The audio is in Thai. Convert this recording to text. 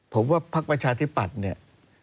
ผมว่าพักประชาธิปัตย์เนี่ย